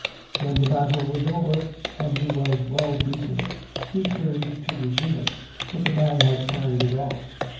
When the battle was over, and he was well beaten, he turned to resume it, but the man had carried it off.